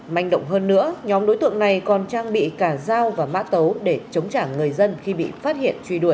manh động hơn nữa nhóm đối tượng này còn trang bị cả dao và mã tấu để chống trả người dân khi bị phát hiện truy đuổi